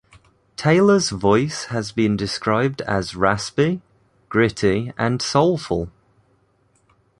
Taylor's voice has been described as raspy, gritty and soulful.